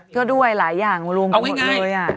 ก็ด้วยหลายอย่างรวมกันหมดอยู่อย่าง